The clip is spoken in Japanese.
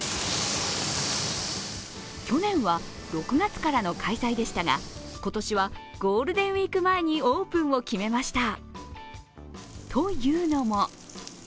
去年は６月からの開催でしたが今年はゴールデンウイーク前にオープンを決めました。